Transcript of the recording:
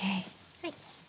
はい。